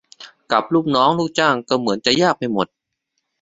กับลูกน้องลูกจ้างก็เหมือนจะยากไปหมด